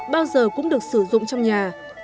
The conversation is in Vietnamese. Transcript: bao giờ cũng được sử dụng trong nhà